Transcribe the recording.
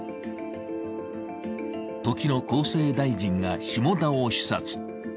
時の厚生大臣が下田を視察。